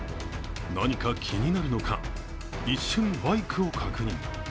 何か気になるのか、一瞬バイクを確認。